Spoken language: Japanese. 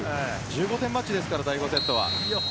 １５点マッチですから第５セットは。